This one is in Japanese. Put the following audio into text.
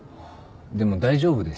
でも大丈夫です。